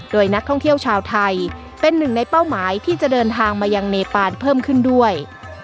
โดยนักท่องเที่ยวชาวไทยเป็นหนึ่งในเป้าหมายที่จะเดินทางมายังเนปานเพิ่มขึ้นด้วย